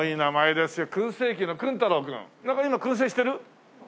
なんか今燻製してる？